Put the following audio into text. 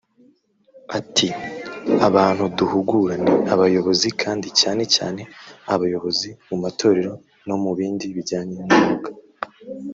Ati “Abantu duhugura ni abayobozi kandi cyane cyane abayobozi mu matorero no mu bindi bijyanye n’umwuka